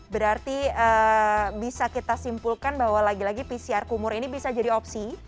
berarti bisa kita simpulkan bahwa lagi lagi pcr kumur ini bisa jadi opsi